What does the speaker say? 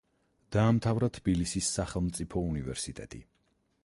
დაამთავრა თბილისის სახელმწიფო უნივერსიტეტი.